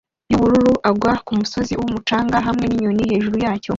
yubururu agwa kumusozi wumucanga hamwe ninyoni hejuru yacyo